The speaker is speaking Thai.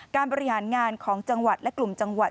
บริหารงานของจังหวัดและกลุ่มจังหวัด